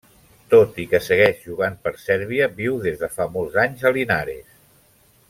Tot i que segueix jugant per Sèrbia, viu des de fa molts anys a Linares.